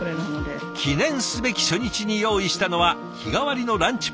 記念すべき初日に用意したのは日替わりのランチ